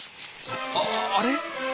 ああれ？